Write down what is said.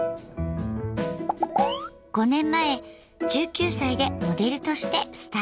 ５年前１９歳でモデルとしてスタート。